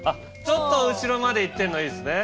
ちょっと後ろまで行ってるのいいですね。